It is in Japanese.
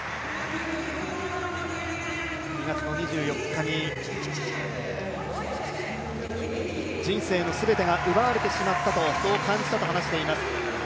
２月２４日に人生のすべてが奪われてしまったと、そう感じたと話しています。